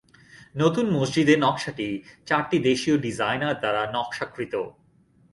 নতুন মসজিদের নকশাটি চারটি দেশীয় ডিজাইনার দ্বারা নকশাকৃত।